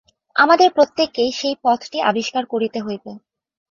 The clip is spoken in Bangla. আমাদের প্রত্যেককেই সেই-পথটি আবিষ্কার করিতে হইবে।